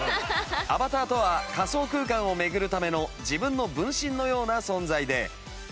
アバターとは仮想空間を巡るための自分の分身のような存在で。